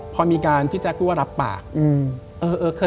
พอมีการพี่แจ๊คพูดว่ารับปาก